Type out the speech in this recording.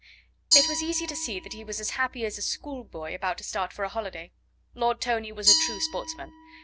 It was easy to see that he was as happy as a schoolboy about to start for a holiday. Lord Tony was a true sportsman.